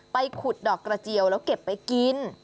ไปขุดดอกกระเจียวแล้วเก็บไปกิน